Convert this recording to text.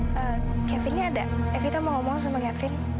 kevinnya ada evita mau ngomong sama kevin